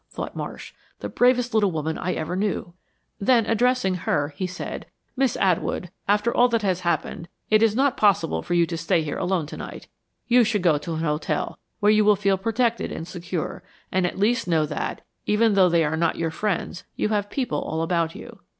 thought Marsh. "The bravest little woman I ever knew." Then addressing her, he said, "Miss Atwood, after all that has happened, it is not possible for you to stay here alone tonight. You should go to an hotel, where you will feel protected and secure, and at least know that, even though they are not your friends, you have people all about you."